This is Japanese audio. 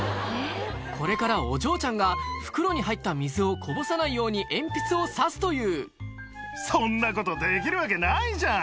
これからお嬢ちゃんが袋に入った水をこぼさないように鉛筆を刺すという「そんなことできるわけないじゃん！」